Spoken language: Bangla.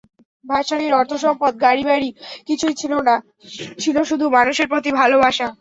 ভাসানীর অর্থসম্পদ, গাড়ি-বাড়ি কিছুই ছিল না, ছিল শুধু মানুষের প্রতি ভালোবাসা।